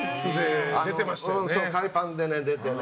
海パンで出てね。